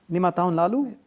lima tahun lalu